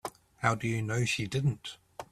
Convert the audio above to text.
How do you know she didn't?